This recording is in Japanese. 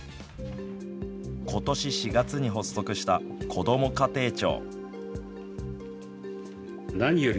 ことし４月に発足したこども家庭庁。